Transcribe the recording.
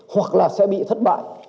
hoặc là sẽ bị thất bại